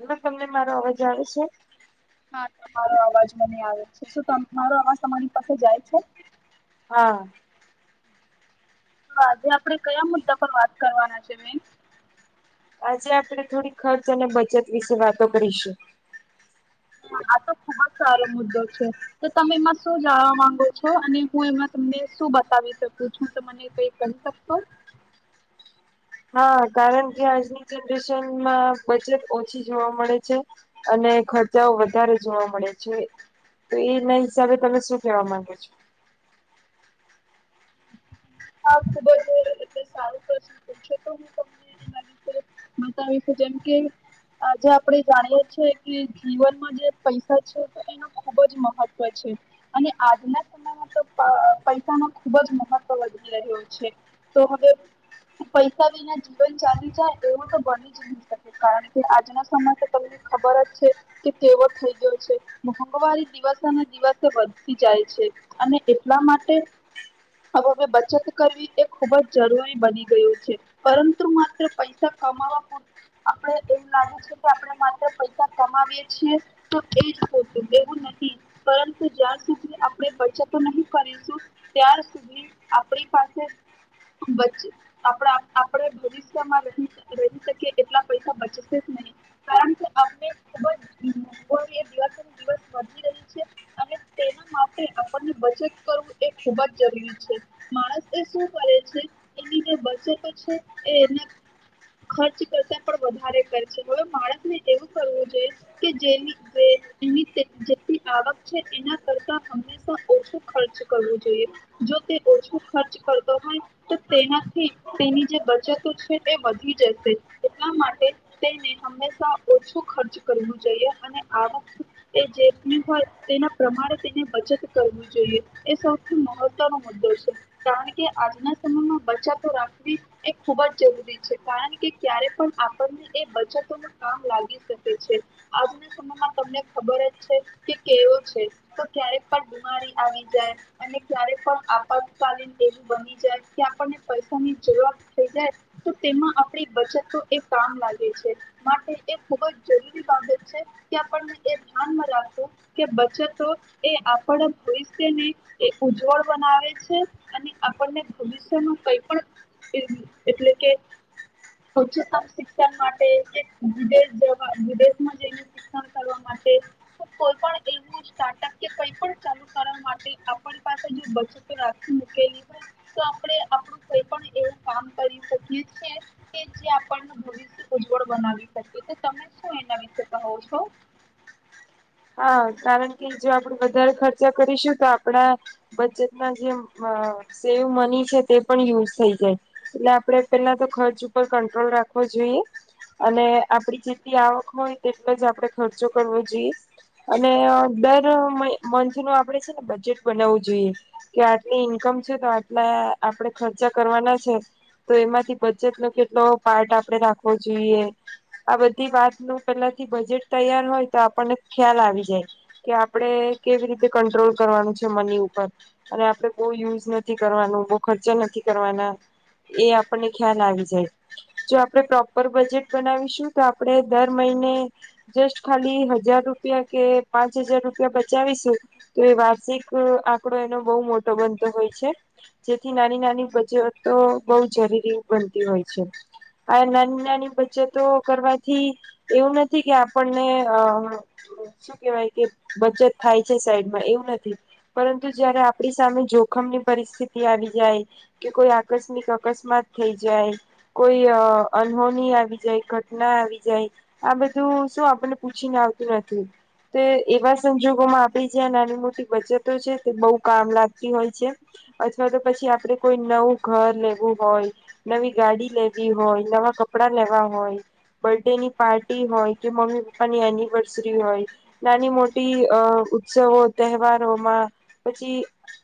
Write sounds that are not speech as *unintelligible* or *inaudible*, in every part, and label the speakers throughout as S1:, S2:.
S1: Hello, તમને મારો અવાજ આવે છે?
S2: હા તમારો અવાજ મને આવે છે. શું મારો અવાજ તમારી પાસે જાય છે?
S1: હા.
S2: તો આજે આપડે કયા મુદ્દા પર વાત કરવાના છે બેન.
S1: આજે આપણે થોડી ખર્ચ અને બચત વિશે વાતો કરીશું.
S2: હ આ તો ખુબ જ સારો મુદ્દો છે તો તમે એમાં શું જાણવા માંગો છો અને હું એમાં તમને શું બતાવી શકું છું તો મને કઈ કહી શકશો.
S1: હા કારણ કે આજની જનરેશનમાં બચત ઓછી જોવા મળે છે, અને ખર્ચાઓ વધારે જોવા મળે છે, તો એના હિસાબે તમે શું કેવા માંગો છો?
S2: હા ખુબ જ એટલે સારું પ્રશ્ન પૂછો તો હું તમને એના વિશે બતાવીશું જેમ કે આજે આપણે જાણીએ છેએ કે જીવનમાં જે પૈસા છે એનો ખુબ જ મહત્વ છે, અને આજના સમયમાં તો પ પૈસા નો ખુબ જ મહત્વ વધી રહ્યો છે. તો હવે પૈસા વિના જીવન ચાલી જાય એવું તો બની જ નહી શકે કારણ કે આજના સમય તો તમને ખબર જ છે કે કેવો થઈ ગયો છે મોંઘવારી દિવસેને દિવસે વધતી જાય છે અને એટલા માટે હવે વે બચત કરવી એ ખુબ જ જરૂરી બની ગયું છે, પરંતુ માત્ર પૈસા કમાવા પરું આપણે એમ લાગે છે કે આપણે માત્ર પૈસા કમાવીએ છીએ તો એ હોતું એવું નથી પરંતુ જ્યાં સુધી આપણે બચતો નહી કરીશું ત્યાર સુધી આપની પાસે બચત આપણા આપણે ભવિષ્યમાં ર રહી શકી એટલા પૈસા બચશે જ નહી કારણ કે આપણે ખુબ જ દિવસેને દિવસ વધી રહી છે અને તેના માટે આપણને બચત કરવું એ ખૂબ જ જરૂરી છે. માણસ એ શું કરે છે એની જે બચતો છે એના ખર્ચ કરતા પણ વધારે કરે છે હવે માણસને એવું કરવું જોઈએ કે જેવી જેટલી તે જેટલી આવક છે એના કરતા હંમેશા ઓછો ખર્ચ કરવો જોઈએ. જો ખર્ચ કરતો હોય તો તેનાથી તેની જે બચતો છે એ વધી જશે એટલા માટે તેને હંમેશા ઓછો ખર્ચ કરવું જોઈએ અને આવક એ જે બી હોય તેના પ્રમાણે તેને બચત કરવું જોઈએ એ સૌથી મહત્ ત્નો દ્દો છે કારણ કે આજના સમયમાં બચતો રાખવી એ ખુબ જ જરૂરી છે કારણ કે ક્યારે પણ આપણને એ બચતોમાં કામ લાગી શકે છે આજના સમયમાં તમને ખબર જ છે કે કેવો છે તો ક્યારેક પણ બીમારી આવી જાય. અને ક્યારે પણ આપકાલીન એવ બની જાય કે આપણને પૈસાની જરૂરત થઈ જાય તો તેમાં આપણી બચતો એ કામ લાગે છે. માટે એ ખૂબ જ જરૂરી બાબત છે કે આપણને એ ધ્યાનમાં રાખવું કે બચતો એ આપણા ભવિષ્યને એ ઉજ્જવળ બનાવે છે. અને આપને ભવિષ્યમાં કઈ પણ એટલે કે ઉચ્ચતમ શિક્ષણ માટેવા કે વિદેશ જવા વિદેશમાં જઈને શિક્ષણ કરવા માટે કોઈ પણ એવું સ્ટાર્ટઅ કે કઈ પણ ચાલુ કરવા માટે આપ પાસે ની બચતો રાખી મૂકેલી હોય તો આપણે આપણું કઈ પણ એવું કામ કરી શકીએ છે કે જે આપણને ભવિષ્ય ઉજ્જવળ બનાવી શકીએ. તો તમે શું એના વિશે કહો છો?
S1: હા કારણ કે જો આપણે વધારે ખર્ચા કરીશું તો આપણા બચેતમા જે મ સેવ મની છે તે પણ યુઝ થઈ જાય એટલે આપણે પેલા તો ખર્ચ ઉપર કંટ્રોલ રાખવો જોઈએ. અને આપડી જેટલી આવક હોય તેટલો જ આપણે ખર્ચો કરવો જોઈએ. અને અ દર મય મંથ નું આપણે છે ને બજેટ બનાવવું જોઈએ કે આટલી ઈન્કમ છે તો આટલા આપણે ખર્ચા કરવાના છે તો એમાંથી બજેટનો કેટલો પાર્ટ આપણે રાખવો જોઈએ આ બધી વાત ન પેલાથી બજેટ તૈયાર હોય તો આપણને ખ્યાલ આવી જાય. કે આપણેે કેવી રીતે કંટ્રોલ કરવાનું છે મની ઉપર અને આપણેે બહ યુઝ નથી કરવાનું બહ ખર્ચા નથી કરવાના એ આપણને ખ્યાલ આવી જાય જો આપણેે પ્રોપર બજેટ બનાવીશું તો આપણેે દર મહિને જસ્ટ ખાલી હજાર રૂ પીયા કે પાંચ હજાર રૂપિયા બચાવીશું તો એ વાર્ષિક આંકડો એનો બહુ મોટો બનતો હોય છે. જેથી નાની નાની બચતો બહ જરૂરી બનતી હોય છે. આ નાની નાની બચતો કરવાથી એવું નથી કે આપણને શું કેવાય કે બચત થાય છે સાઈડમાં એવું નથી પરંતુ જયારે આપણી સામે જોખમની પરિસ્થિતિ આવી જાય, કે કોઈ આકસ્મિક અકસ્માત થઈ જાય, કોઈ અન્હોની આવી જાય, ઘટના આવી જાય આ બધું શું આપણને પૂછી ના આવ તુ નથી તો એવા સંજોગોમાં આપડી જે આ નાની મોટી બચતો છે તે બહુ કામ લાગતી હોય છે. અથવા તો પછી આપડે કોઈ નવું ઘર લેવું હોય, નવી ગાડી લેવી હોય, નવા કપડા લેવા હોય, બર્થ ડેની પાર્ટી હોય, કે મમ્મી પપ્પાની એનિવર્સર સરી હોય નાની મોટી અ ઉત્સવો તહેવારોમાં પછી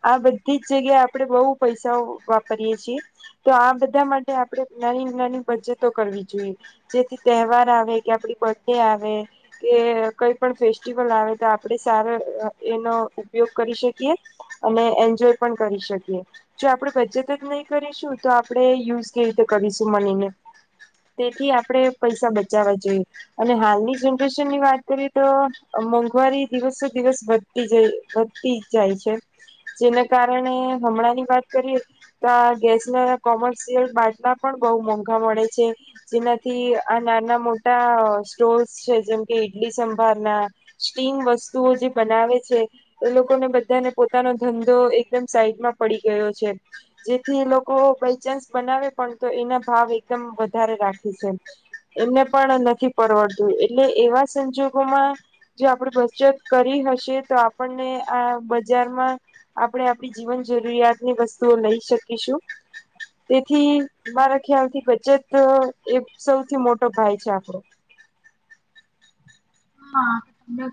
S1: આ બધી જ જગ્યાએ આપણેે બહુ પૈસાઓ વાપરીયએ છીએ તો આ બધા માટે આપણે નાની નાની બચતો કરવી જોઈએ. જેથી તહેવાર આવે, કે આપડી બર્થ ડે આવે કે કઈ પણ ફેસ્ટિવલ આવે તો આપણે સારો એનો ઉપયોગ કરી શકીએ, અને એન્જોય પણ કરી શકીએ, જો આપણે બચત જ નહીં કરીશું તો આપણે યુઝ કેવી રીતે કરીશું મનીને તેથી આપણે પૈસા બચાવવા જોઈએ. અને હાલની જેન ટ્યુશન વાત કરીએ તો મોંઘવારી દિવસે દિવસ વધતી જાય વધતી જાય છે જેના કારણે હમણાં ની વાત કરીએ તો આ ગેસ ના કોમર્શિયલ બાટલા પણ બહુ મોંઘા મળે છે. જેનાથી આ નાના મોટા સ્ટોર્સ છે જેમ ઈડલી સંભારના, સ્ટીમ વસ્તુઓ જે બનાવે છે એ લોકોને બધાને પોતાનો ધંધો એકદમ સાઈડમાં પડી ગયો છે. જેથી એ લોકો બાયચાન્સ બનાવે પણ તો એના ભાવ એકદમ વધારે રાખે છે એમને પણ નથી પરવડતું એ લે એવા સંજોગોમાં જો આપણે બચત કરી હશે તો આપણને આ બજારમાં આપણે આપણી જીવન જરૂરિયાતની વસ્તુઓ લઈ શકીશું તેથી મારા ખ્યાલ થી બચત એ સૌથી મોટો ભાય છે આપણો.
S2: હા ને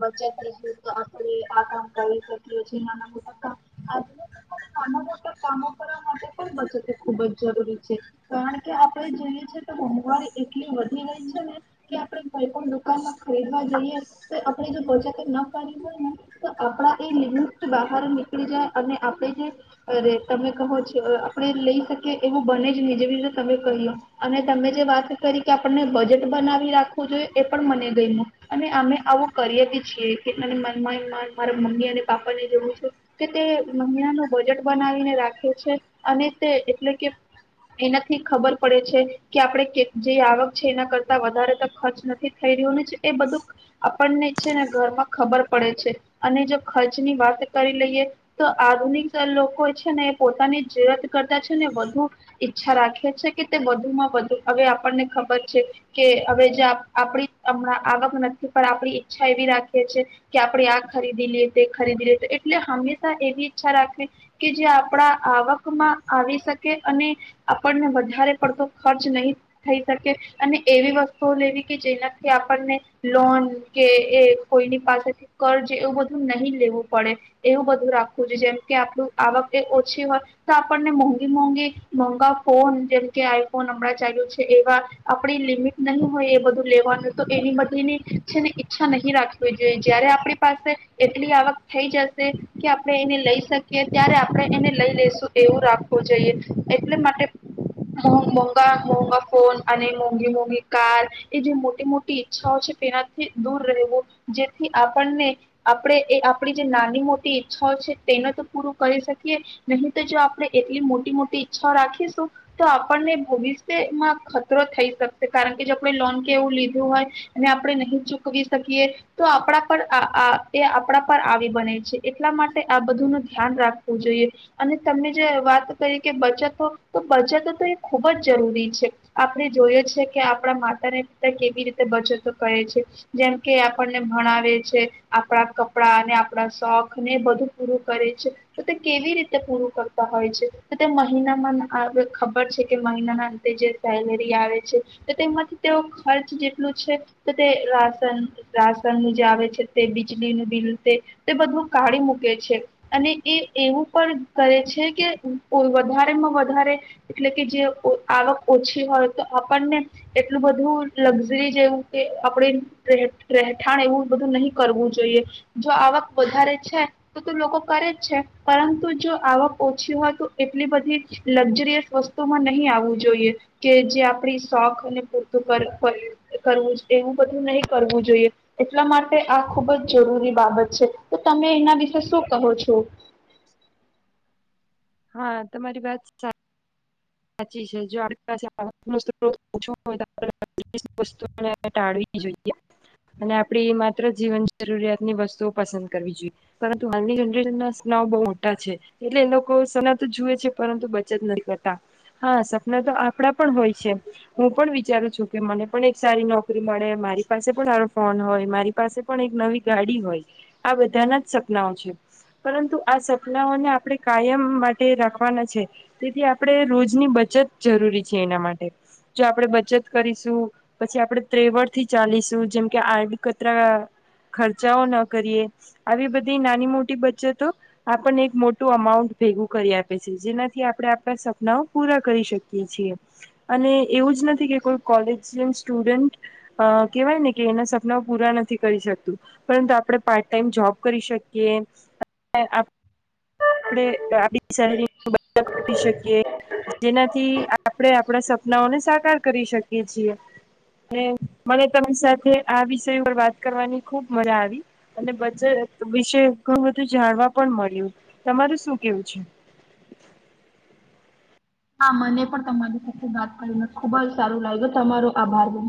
S2: બચત એ છ તો આપણે આ કામ કરી શકીએ છે નાના મોટા કામ આજના નાના મોટા કામો કરવા માટે પણ બચત ખુબ જ જરૂરી છે કારન કે આપડે જોઈએ છ છે ત ભાર એટલી વધ નિણય છે ને કે આપડે કોઈ પણ દુકાન માં ખરીદવા જઈએ તો આપણે જો પહોચા ના પા્યું હોય ને. તો આપડા એ લિમિટથી બહાર નીકળી જાય. અને આપણે જે તમે કહો છો, આપણે લઈ શકીએ એવું બનેજ નઈ જે રીતે તમે કહ્યું અને તમે જે વાત કરી કે આપણને બજેટ બનાવી રાખવું જોઈએ એ પણ મને ગયમુ અને અમે આવું કરીએ ભી છીએ કે મન મારા મમ્મી અને પાપ્પા ને જોવું છે કે તે મહિના ન બજેટ બનાવીને રાખે છે અને તે એટલે કે એનાથી ખબર પડે છે કે આપડે કેટ લી આવક છે એના કરતા વધારે તો ખર્ચ નથી થઈ રહ્યો, એ બધું આપણને છે ને ઘરમાં ખબર પડે છે અને જો ખર્ચની વાત કરી લઈએ તો આધુનિક લોકો છે ને એ પોતાની જીરત કરતા છે ને વધુ ઈચ્છા રાખે છે કે તે વધુમાં વધુ હવે આપણને ખબર છે કે હવે જે આપ આપણી હમણાં આવક નથી પણ આપણી ઈચ્છા એવી રાખીએ છેએ કે આપણે આ ખરીદી લઈએ તે ખરીદી લઈએ એટલે હંમેશા એવી ઈચ્છા રાખ કે જે આપડા આવકમાં આવી શકે અને આપણને વધારે પડતો ખર્ચ નહી થઈ શકે અને એવી વસ્તુઓ લેવી કે જેનાથી આપણને લોન કે એ કોઈની પાસેથી કર્જ એવું બધું નહીં લેવું પડે એવું બધું રાખવું જો જેમ કે આપણું આવક એ ઓછી હોય તો આપણને મોંઘી મોંઘી મોંઘા ફોન જેમકે આઈફોન હમણાં ચાલુ છે એ આપ લિમિટ નહીં હોય એ બધું લેવાનું તો એની બધીની છે ને ઈચ્છા નહીં રાખવી જોઈએ જયારે આપણી પાસે એટલી આવક થઈ જશે કે આપણે એને લઈ શકીએ ત્યારે આપણે એને લઈ લેશું એવું રાખવું જોઈએ એટલે માટે મોંઘા મોઘા ફોન અને મોંઘી મોંઘી કાર એ જે મોટી મોટી ઈચ્છાઓ છે તેનાથી દૂર રહેવું જેથી આપણને આપણે એ આપડી જે નાની મોટી ઈચ્છાઓ છે તેને તો પૂરું કરી શકીએ નહી તો જો આપણે એટલી મોટી મોટી ઈચ્છાઓ રાખીશું તો આપણને ભવિષ્યમાં ખતરો થઈ શકશે કારણ કે જો આપણે લોન કે એવું લીધું હોય અને આપણે નહીં ચૂકવી શકીએ તો આપણા પર આ આ એ આપણા પર આવી બને છે એટલા માટે આ બધું ન ધ્યાન રાખવું જોઈએ અને તમે જે વાત કરી કે બચતો તો બચત તો એ ખૂબ જ જરૂરી છે. આપણે જોયએ છે કે આપણા માતાને પિતા કેવી રીતે બચતો કરે છે જેમ કે આપણને ભણાવે છે આપણા કપડા ને આપણા શોખ ને બધું પૂરું કરે છે તો તે કેવી રીતે પૂરું કરતા હોય છે તો તે મહિનામાં ખબર છે કે મહિનાના અંતે જે સેલેરી આવે છે, તો તેમાંથી તેઓ ખર્ચ જેટલું છે, તો તે રાશન રાશનનું જે આવે છે, તે બીજળીનું બિલ તે તે બધું કાઢી મૂકે છે અને એ એવું પણ કરે છે કે ઓ વધારેમાં વધારે એટલે કે જે ઓ આવક ઓછી હોય, તો આપણને એટલું બધું લક્ઝરી જેવું કે આપણે રહે રહેઠાણ એવું બધું નહી કરવું જોઈએ, જો આવક વધારે છે તો તો લોકો કરે જ છે, પરંતુ જો આવક ઓછી હોય તો એટલી બધી લક્ઝરીયસ વસ્તુમાં નહીં આવું જોઈએ કે જે આપણી શોખને પૂરતું કર કરવું જ એવું બધું નહી કરવું જોઈએ, એટલા માટે આ ખુબ જ જરૂરી બાબત છે, તો તમે એના વિશે શું કહો છો?
S1: હા, તમારી વાત સા સાચી છે, જો *unintelligible* ટાળવી જોઈએ અને આપડી માત્ર જીવન જરૂરિયાતની વસ્તુઓ પસંદ કરવી જોઈએ, પરંતુ હાલની જન *unintelligible* ના સનાઓ બઉ મોટા છે, એટલે એ લોકો સના તો જુએ છે પરંતુ બચત નથી કરતા હા, સપના તો આપણા પણ હોય છે, હું પણ વિચારું છું કે મને પણ એક સારી નોકરી મળે, મારી પાસે પણ સારો ફોન હોય, મારી પાસે પણ એક નવી ગાડી હોય, આ બધાના જ સપનાઓ છે, પરંતુ આ સપનાઓને આપણે કાયમ માટે રાખવાના છે, તેથી આ આપણે રોજની બચત જરૂરી છે એના માટે, જો આપણે બચત કરીશું, પછી આપણે ત્રેવડથી ચાલીશું, જેમકે આડકતરા ખર્ચાઓ ન કરીએ આવી બધી નાની મોટી બચતો આપણને એક મોટું અમાઉન્ટ ભેગું કરી આપે છે, જેનાથી આપણે આપણા સપ ના ઓ પૂરા કરી શકીએ છીએ અને એવું જ નથી કે કોઈ કોલેજીયન સ્ટુડન્ટ કહેવાય ને કે એના સપનાઓ પૂરા નથી કરી શકતું, પરંતુ આપણે પાર્ટ ટાઈમ જોબ કરી શકીએ અને આપડે તો આ બી સેલેરી *unintelligible* શકીએ. જેના થી આપડે આપડા સપનાઓને સાકાર કરી શકીએ છીએ અને મને તમ સાથે આ વિષય ઉપર વાત કરવાની ખુબ મજા આવી અને બચત વિશે ઘણું બધું જાણવા પણ મળ્યું, તમારું શું કેવું છે?
S2: હા, મને પણ તમારી સાથે વાત કરીને ખુબ જ સારું લાયગુ, તમારો આભાર બે